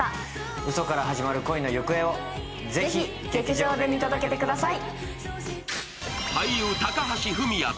うそから始まる恋の行方をぜひ劇場で見届けてください。